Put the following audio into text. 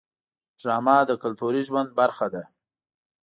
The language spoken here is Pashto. ډرامه د کلتوري ژوند برخه ده